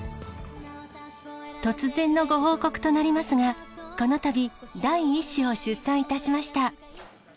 突然のご報告となりますが、このたび、第１子を出産いたしました。